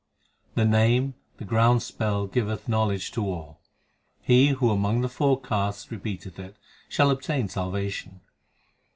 5 The Name, the ground spell, giveth knowledge to all ; He who among the four castes Repeateth it, shall obtain salvation.